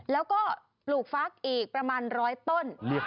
แล้วก็ปลูกฟักอีกประมาณ๑๐๐ต้น